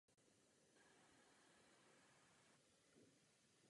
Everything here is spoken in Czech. K postupu na playoff to nestačilo a sezona pro ně skončila.